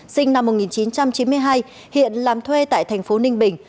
sinh năm một nghìn chín trăm chín mươi hai hiện làm thuê tại thành phố ninh bình